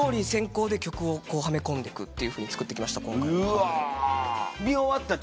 うわ。